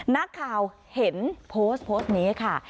นักข่าวเห็นโพสต์นี้ค่ะ